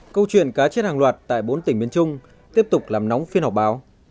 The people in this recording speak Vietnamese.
câu chuyện cá chết hàng loạt tại bốn tỉnh miền trung tiếp tục làm nóng phiên họp báo